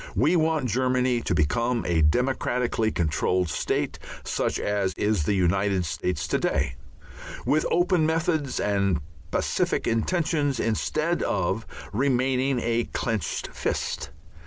We want Germany to become a democratically controlled State, such as is the United States to day, with open methods and pacific intentions, instead of remaining a clenched fist.